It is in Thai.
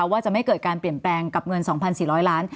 ว่าจะไม่เกิดการเปลี่ยนแปลงกับเงิน๒๔๐๐ล้าน